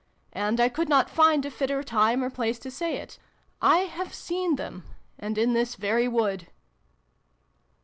"And I could not find a fitter time or place to say it. I have seen them and in this very wood